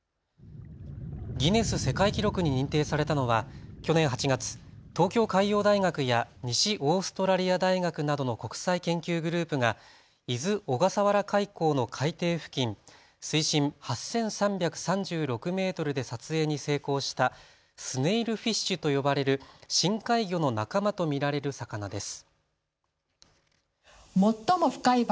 ギネス世界記録に認定されたのは去年８月、東京海洋大学や西オーストラリア大学などの国際研究グループが伊豆・小笠原海溝の海底付近、水深８３３６メートルで撮影に成功したスネイルフィッシュと呼ばれる深海魚の仲間と見られる魚です。